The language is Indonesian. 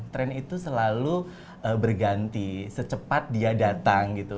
trend itu selalu berganti secepat dia datang gitu